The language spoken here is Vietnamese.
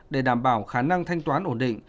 để đảm bảo khả năng thanh toán ổn định